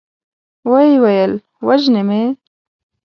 ويې ويل: وژني مې؟